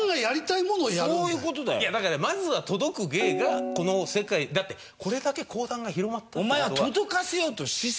いやだからねまずは届く芸がこの世界だってこれだけ講談が広まったって事は。